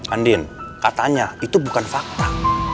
andin katanya itu bukan fakta